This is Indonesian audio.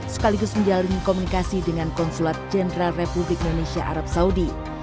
sekaligus menjalin komunikasi dengan konsulat jenderal republik indonesia arab saudi